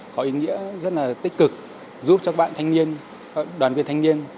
có ý nghĩa rất là tích cực giúp các bạn thanh niên các đoàn viên thanh niên